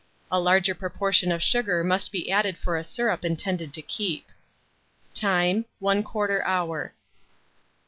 A larger proportion of sugar must be added for a syrup intended to keep. Time. 1/4 hour.